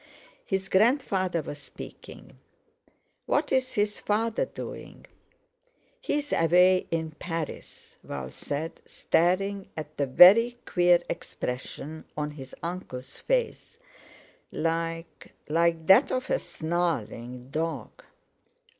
His grandfather was speaking: "What's his father doing?" "He's away in Paris," Val said, staring at the very queer expression on his uncle's face, like—like that of a snarling dog.